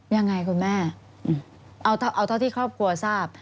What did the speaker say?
ยังไงคุณแม่เอาเท่าที่ครอบครัวทราบ